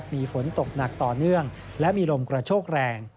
มีฝนตกหนักต่อเนื่องและมีลมกระโชกแรง